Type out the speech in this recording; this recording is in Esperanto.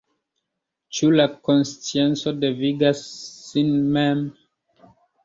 Ĉu la konscienco devigas sin mem?